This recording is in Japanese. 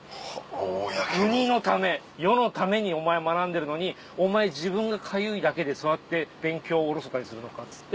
国のため世のためにお前学んでるのにお前自分がかゆいだけでそうやって勉強をおろそかにするのかっつって。